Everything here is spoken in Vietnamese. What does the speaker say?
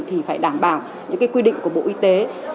thì phải đảm bảo những quy định của bộ y tế